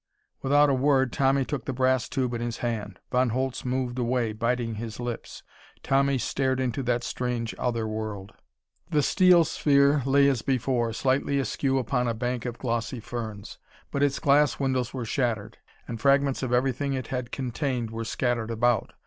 Without a word, Tommy took the brass tube in his hand. Von Holtz moved away, biting his lips. Tommy stared into that strange other world. The steel sphere lay as before, slightly askew upon a bank of glossy ferns. But its glass windows were shattered, and fragments of everything it had contained were scattered about.